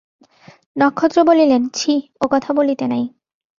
নক্ষত্র বলিলেন, ছি, ও কথা বলিতে নাই।